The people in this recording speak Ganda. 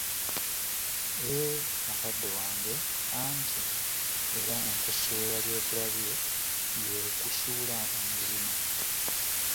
Eeee! mukadde wange, anti era enkusu eyali ekulabye, y'ekusuula omuzima.